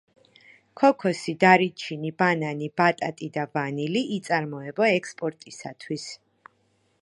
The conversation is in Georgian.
ქოქოსი, დარიჩინი, ბანანი, ბატატი და ვანილი იწარმოება ექსპორტისათვის.